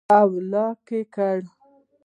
او لاک ئې کړي